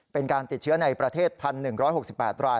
เป็นการติดเชื้อในประเทศ๑๑๖๘ราย